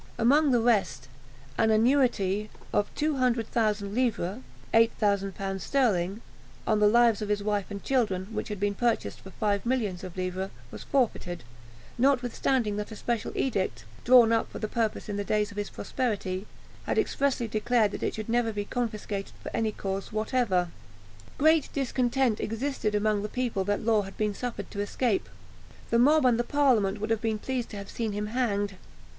Among the rest, an annuity of 200,000 livres (8000l. sterling) on the lives of his wife and children, which had been purchased for five millions of livres, was forfeited, notwithstanding that a special edict, drawn up for the purpose in the days of his prosperity, had expressly declared that it should never be confiscated for any cause whatever. Great discontent existed among the people that Law had been suffered to escape. The mob and the parliament would have been pleased to have seen him hanged.